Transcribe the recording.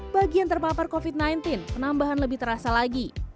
bagian terpapar covid sembilan belas penambahan lebih terasa lagi